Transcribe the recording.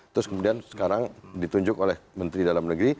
terus kemudian sekarang ditunjuk oleh menteri dalam negeri